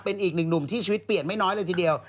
เป็นอีกหนึ่งหนุ่มที่ชีวิตเปลี่ยนไม่น้อยเลยทีเดียว